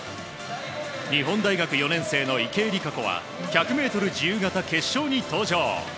日本大学４年生の池江璃花子は１００ｍ自由形決勝に登場。